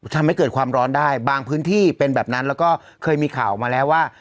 ทำให้เกิดความร้อนได้บางพื้นที่เป็นแบบนั้นแล้วก็เคยมีข่าวมาแล้วว่า